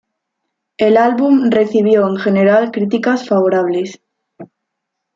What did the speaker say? El álbum recibió en general críticas favorables.